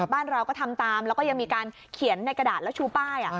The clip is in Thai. บ้านเราก็ทำตามแล้วก็ยังมีการเขียนในกระดาษแล้วชูป้าย